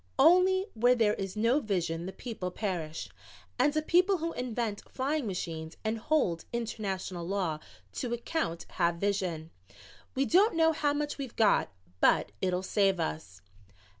"Only 'where there is no vision the people perish,' and a people who invent flying machines and hold international law to account have vision. We don't know how much we've got, but it'll save us."